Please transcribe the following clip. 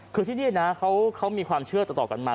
คือที่นี่นะเขามีความเชื่อต่อกันมา